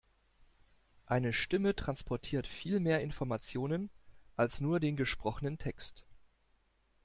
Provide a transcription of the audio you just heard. Eine Stimme transportiert viel mehr Information als nur den gesprochenen Text.